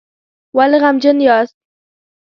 ولې غمجن یاست؟